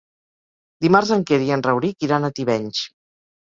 Dimarts en Quer i en Rauric iran a Tivenys.